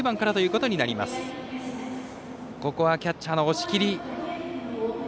ここはキャッチャーの押切。